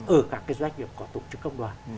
ở các cái doanh nghiệp có tổ chức công đoàn